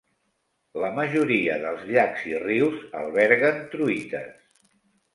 La majoria dels llacs i rius alberguen truites.